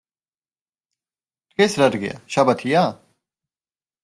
დღეს რა დღეა, შაბათია?